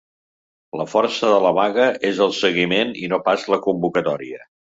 La força de la vaga és el seguiment i no pas la convocatòria.